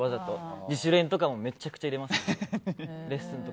自主練とかレッスンとかもめちゃくちゃ入れます。